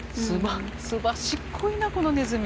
すばしっこいなこのネズミ。